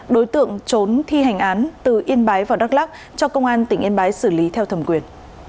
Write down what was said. đối tượng trốn thi hành án từ yên bái vào đắk lắc cho công an tỉnh yên bái xử lý theo thẩm quyền